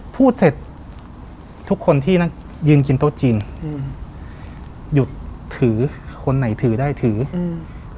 พูดเสร็จทุกคนที่นักยืนกินโต๊ะจีนอืมหยุดถือคนไหนถือได้ถืออืม